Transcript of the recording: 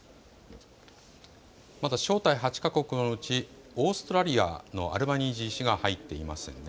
まだ招待８か国のうちオーストラリアのアルバニージー氏が入っていませんね。